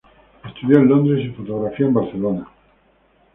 Estudió en Londres y fotografía en Barcelona.